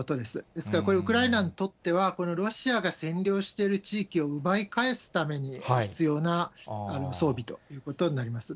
ですからこれ、ウクライナにとっては、このロシアが占領している地域を奪い返すために必要な装備ということになります。